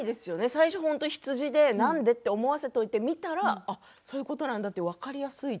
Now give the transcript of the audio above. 最初羊でなんで？って思わせておいて見たらそういうことなんだって分かりやすい。